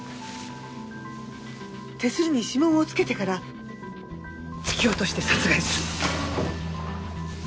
手すりに指紋を付けてから突き落として殺害した。